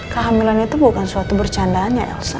kehamilan itu bukan suatu bercandaan ya elsa